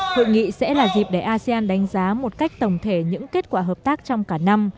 hội nghị sẽ là dịp để asean đánh giá một cách tổng thể những kết quả hợp tác trong cả năm